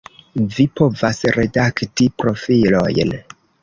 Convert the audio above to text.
Vi povas redakti profilojn